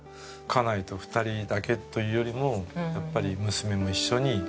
家内と２人だけというよりもやっぱり娘も一緒に。